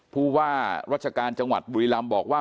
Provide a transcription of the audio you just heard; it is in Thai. ผู้ว่าราชการจังหวัดบุรีรำบอกว่า